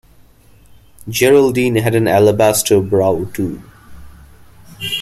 Geraldine had an alabaster brow too.